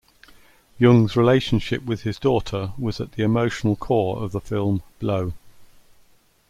Jung's relationship with his daughter was at the emotional core of the film, "Blow".